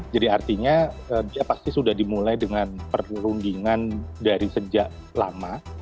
jadi artinya dia pasti sudah dimulai dengan perlundingan dari sejak lama